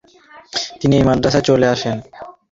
তিনি এই মাদ্রাসায় চলে আসেন।